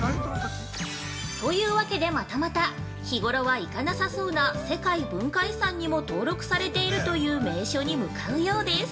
◆というわけで、またまた日頃は行かなさそうな、世界文化遺産にも登録されているという名所に向かうようです。